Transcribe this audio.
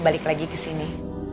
balik lagi kesini